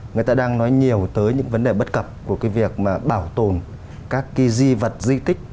người ta đang nói nhiều tới những vấn đề bất cập của cái việc mà bảo tồn các cái di vật di tích